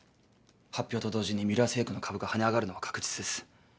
発表と同時にミュラー製薬の株が跳ね上がるのは確実です。